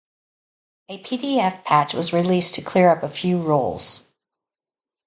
A pdf patch was released to clear up a few rules.